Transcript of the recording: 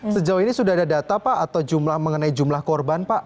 sejauh ini sudah ada data pak atau jumlah mengenai jumlah korban pak